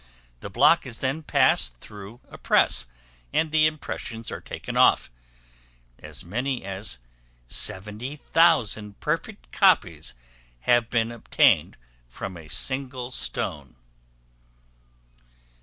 The block is then passed through a press, and the impressions are taken off; as many as 70,000 perfect copies have been obtained from a single stone.